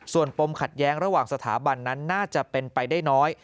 ส่วนปมขัดแย้งระหว่างสถาบันนั้นน่าจะเป็นไปได้น้อย